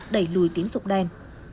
đẩy lùi tín dụng đen